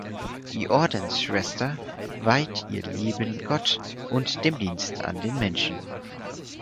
Die Ordensschwester weiht ihr Leben Gott und dem Dienst an den Menschen.